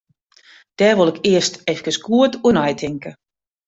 Dêr wol ik earst even goed oer neitinke.